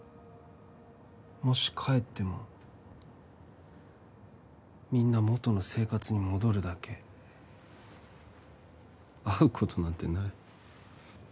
もし帰ってもみんな元の生活に戻るだけ会うことなんてない